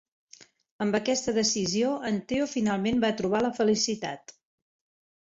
Amb aquesta decisió, en Theo finalment va trobar la felicitat.